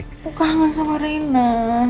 aku kangen sama reina